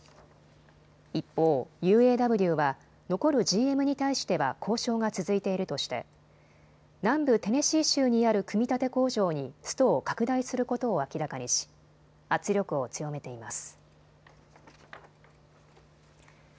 一方、ＵＡＷは残るＧＭに対しては交渉が続いているとして南部テネシー州にある組み立て工場にストを拡大することを明らかにし圧力を強めています。